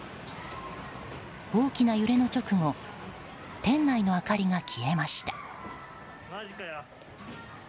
大きな揺れの直後店内の明かりが消えました。